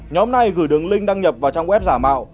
nhóm này gửi đường link đăng nhập vào trang web giả mạo